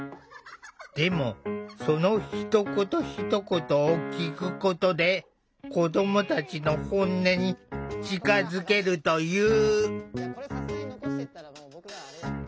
でもそのひと言ひと言を聴くことで子どもたちの本音に近づけるという。